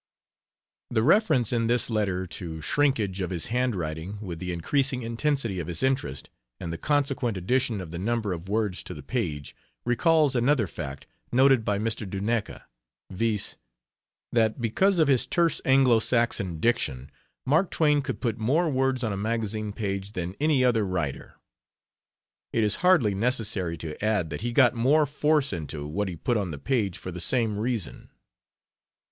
The reference in this letter to shrinkage of his hand writing with the increasing intensity of his interest, and the consequent addition of the number of words to the page, recalls another fact, noted by Mr. Duneka, viz.: that because of his terse Anglo Saxon diction, Mark Twain could put more words on a magazine page than any other writer. It is hardly necessary to add that he got more force into what he put on the page for the same reason.